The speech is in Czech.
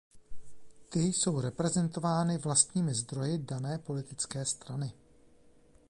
Ty jsou reprezentovány vlastními zdroji dané politické strany.